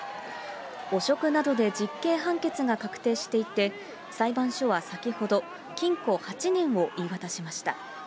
汚職などで実刑判決が確定していて、裁判所は先ほど、禁錮８年を言い渡しました。